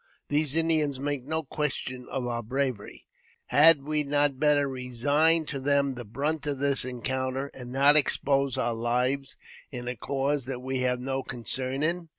These Indians make no question of our bravery ; had we not better resign to them the brunt of this encounter, and not expose our lives in a cause that we have no concern in